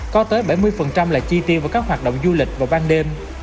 có tới bảy mươi là chi tiêu vào các hoạt động du lịch vào ban đêm